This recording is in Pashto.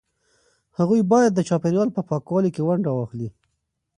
هغوی باید د چاپیریال په پاکوالي کې ونډه واخلي.